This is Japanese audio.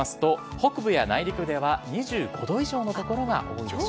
北部や内陸部では２５度以上の所があるでしょう。